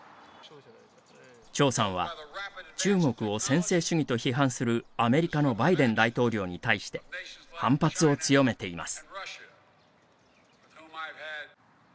張さんは、中国を専制主義と批判するアメリカのバイデン大統領に対して反発を強めています。